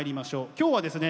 今日はですね